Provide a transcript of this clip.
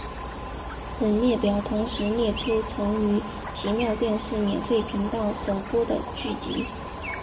本列表同时列出曾于奇妙电视免费频道首播的剧集。